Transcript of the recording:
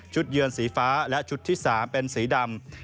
เยือนสีฟ้าและชุดที่๓เป็นสีดำ